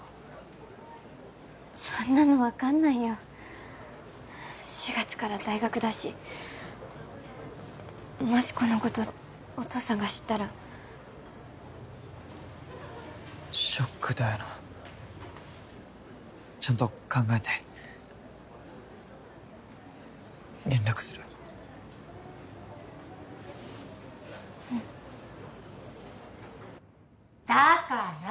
そんなの分かんないよ４月から大学だしもしこのことお父さんが知ったらショックだよなちゃんと考えて連絡するうんだから！